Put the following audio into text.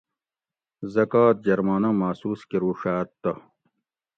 زکواہ جرمانہ محسوس کروڛاۤت تہ